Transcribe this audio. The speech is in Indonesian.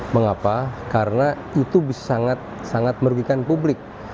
mengapa karena itu sangat sangat merugikan publik